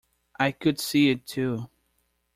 I could see it too.